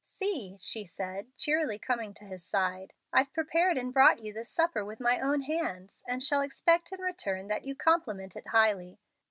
"See," she said, cheerily, coming to his side, "I've prepared and brought you this supper with my own hands, and shall expect in return that you compliment it highly.